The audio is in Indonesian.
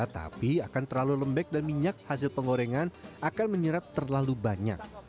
tapi akan terlalu lembek dan minyak hasil pengorengan akan menyerap terlalu banyak